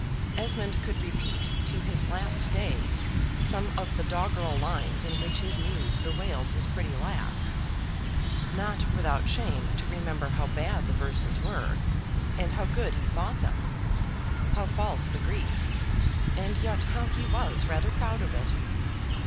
Esmond could repeat, to his last day, some of the doggerel lines in which his muse bewailed his pretty lass; not without shame to remember how bad the verses were, and how good he thought them; how false the grief, and yet how he was rather proud of it.